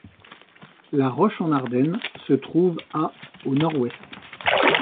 La Roche-en-Ardenne se trouve à au nord-ouest.